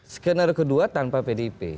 skenario kedua tanpa pdip